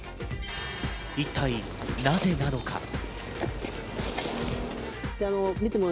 一体なぜなのか。